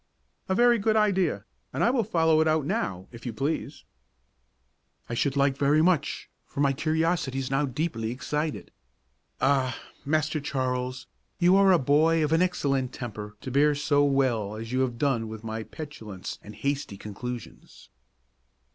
"A very good idea, and I will follow it out now, if you please. "I should like very much, for my curiosity is now deeply excited. Ah! Master Charles, you are a boy of an excellent temper to bear so well as you have done with my petulance and hasty conclusions."